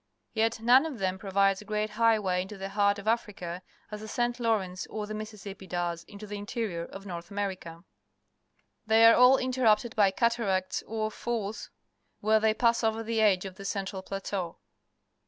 Yet none of them provides a great highway' into the heart of .\frica as the St. Lawrence or the Mississippi does into the interior of North America. 225 226 PUBLIC SCHOOL GEOGRAPHY They are all intermpted by cataracts or falls where they pass over the edge of the central plateau.